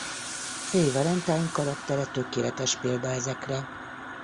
Faye Valentine karaktere tökéletes példa ezekre.